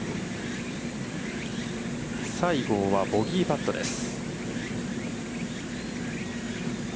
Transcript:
西郷はボギーパットです。